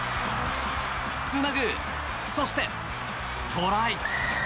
つなぐ、そしてトライ。